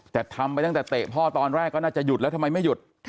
แต่ทำไปตั้งแต่เตะพ่อตอนแรกก็น่าจะหยุดแล้วทำไมไม่หยุด